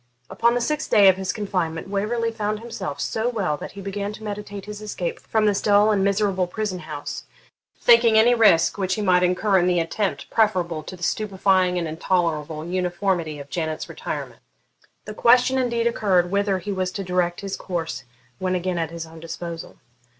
Upon the sixth day of his confinement Waverley found himself so well that he began to meditate his escape from this dull and miserable prison house, thinking any risk which he might incur in the attempt preferable to the stupefying and intolerable uniformity of Janet's retirement. The question indeed occurred, whither he was to direct his course when again at his own disposal.